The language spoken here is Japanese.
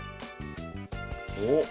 おっ。